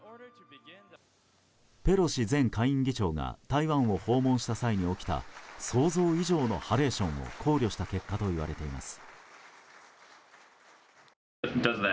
ペロシ前下院議長が台湾を訪問した際に起きた想像以上のハレーションを考慮した結果といわれています。